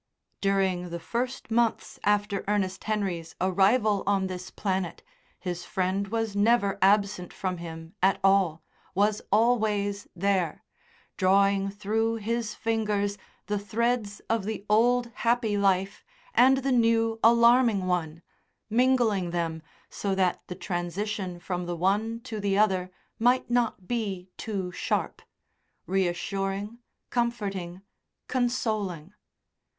During the first months after Ernest Henry's arrival on this planet his friend was never absent from him at all, was always there, drawing through his fingers the threads of the old happy life and the new alarming one, mingling them so that the transition from the one to the other might not be too sharp reassuring, comforting, consoling.